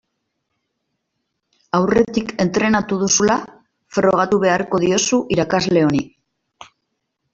Aurretik entrenatu duzula frogatu beharko diozu irakasle honi.